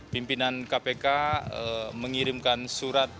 pimpinan kpk mengirimkan surat